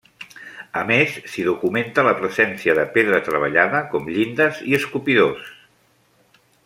A més, s'hi documenta la presència de pedra treballada com llindes i escopidors.